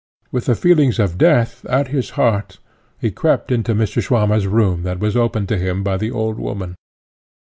With the feelings of death at his heart, he crept into Mr. Swammer's room that was opened to him by the old woman.